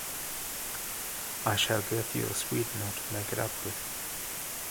I shall give you a sweetener to make it up with you.